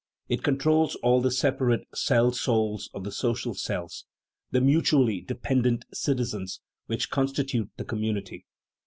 It controls all the separate " cell souls " of the social cells the mutually dependent "citizens" which constitute the community.